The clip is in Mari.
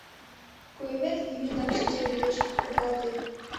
Куэвӱд йӱынак, шинчавӱдеш кодалте.